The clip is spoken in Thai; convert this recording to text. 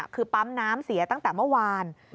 คือปั๊มน้ำเสียตั้งแต่เมื่อวาน